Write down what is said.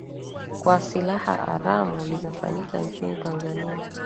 kwa silaha haramu limefanyika nchini tanzania